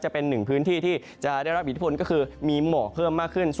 จะเป็นหนึ่งพื้นที่ที่จะได้รับอิทธิพลก็คือมีหมอกเพิ่มมากขึ้น